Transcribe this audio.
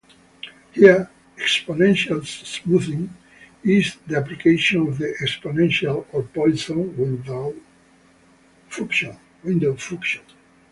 Here, exponential smoothing is the application of the exponential, or Poisson, window function.